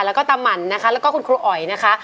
แล้วก็ตามันนะคะแล้วก็คุณครูอ๋อยนะคะ